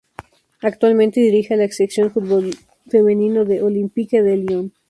Actualmente dirige a la sección de Fútbol femenino del Olympique de Lyon.